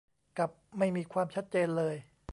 กับไม่มีความชัดเจนเลย